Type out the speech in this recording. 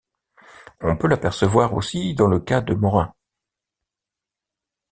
On peut l'apercevoir aussi dans le cas de Morin.